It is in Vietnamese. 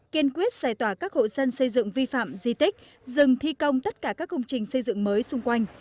kiên quyết giải tỏa các hộ dân xây dựng vi phạm di tích dừng thi công tất cả các công trình xây dựng mới xung quanh